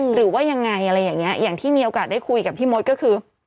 หรือว่ายังไงอะไรอย่างนี้อย่างที่มีโอกาสได้คุยกับพี่มดก็คือ